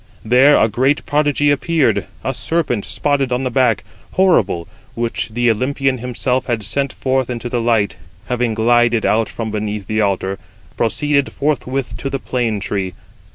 103 There a great prodigy appeared; a serpent, spotted on the back, horrible, which the Olympian himself had sent forth into the light, having glided out from beneath the altar, proceeded forthwith to the plane tree.